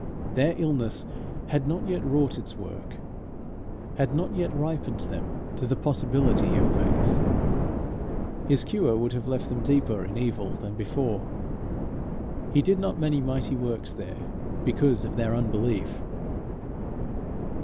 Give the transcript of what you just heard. Their illness had not yet wrought its work, had not yet ripened them to the possibility of faith; his cure would have left them deeper in evil than before. "He did not many mighty works there because of their unbelief."